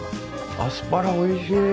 アスパラおいしい！